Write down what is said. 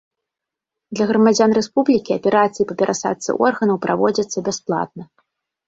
Для грамадзян рэспублікі аперацыі па перасадцы органаў праводзяцца бясплатна.